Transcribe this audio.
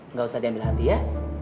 nggak usah diambil hati ya